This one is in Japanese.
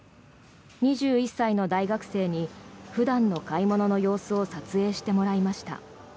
２１歳の大学生に普段の買い物の様子を撮影してもらいました。